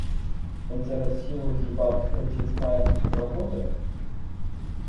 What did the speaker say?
Мы цераз сілу хіба прыціскаем з работаю?